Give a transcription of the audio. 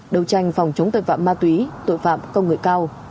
đấu tranh phòng chống tội phạm ma túy tội phạm công nghệ cao